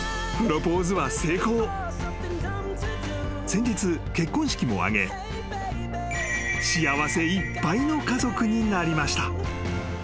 ［先日結婚式も挙げ幸せいっぱいの家族になりました］